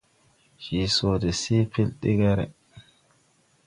Je sode se pel deger.